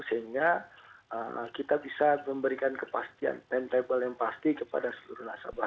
sehingga kita bisa memberikan kepastian pentable yang pasti kepada seluruh nasabah